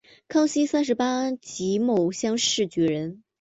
康熙三十八年己卯乡试举人。